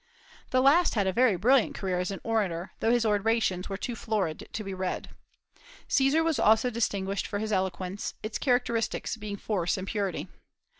The last had a very brilliant career as an orator, though his orations were too florid to be read. Caesar was also distinguished for his eloquence, its characteristics being force and purity.